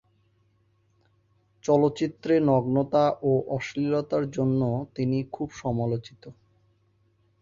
চলচ্চিত্রে নগ্নতা ও অশ্লীলতার জন্য তিনি খুব সমালোচিত।